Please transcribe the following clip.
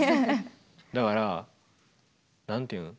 だから何て言うん？